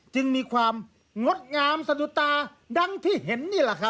จึงมีความงดงามสะดุตาดังที่เห็นนี่แหละครับ